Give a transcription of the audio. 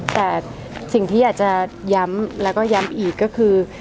แต่สิ่งที่อยากจะย้ำแล้วก็ย้ำอีกก็คือ